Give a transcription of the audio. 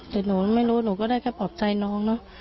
แต่หนูไม่รู้หนูก็ได้แค่ปลอบใจน้องเนอะ